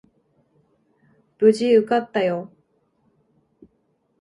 無事受かったよ。